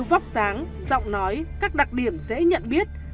vóc dáng giọng nói các đặc điểm dễ nhận biết